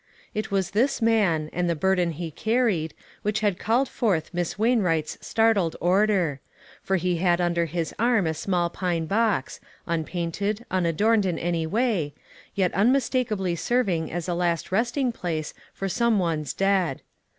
It was this man, and the burden he carried, which had called forth Miss Wainwright'a startled order ; for he had under his arm a small pine box, unpaiiited, 275 2?6 ONE COMMONPLACE DAY. I unadorned in any way, yet unmistakably serving as a last resting place for some one's dead.